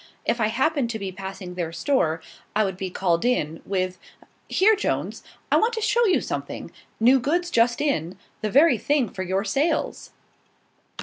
If I happened to be passing their store, I would be called in, with "Here, Jones, I want to show you something. New goods just in; the very thing for your sales."